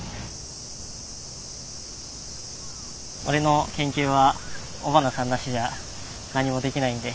俺の研究は尾花さんなしじゃ何もできないんで。